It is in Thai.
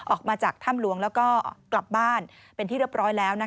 ออกมาจากถ้ำหลวงแล้วก็กลับบ้านเป็นที่เรียบร้อยแล้ว